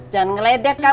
jangan ngeledek kamu